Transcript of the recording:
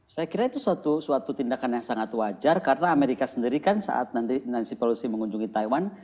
saya kira itu suatu tindakan yang sangat wajar karena amerika sendiri kan saat nanti nancy policy mengunjungi taiwan